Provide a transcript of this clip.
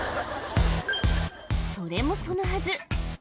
それもそのはず